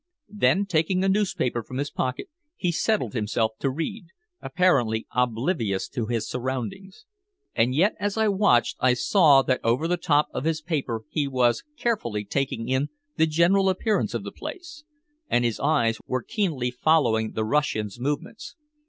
Then, taking a newspaper from his pocket, he settled himself to read, apparently oblivious to his surroundings. And yet as I watched I saw that over the top of his paper he was carefully taking in the general appearance of the place, and his eyes were keenly following the Russian's movements.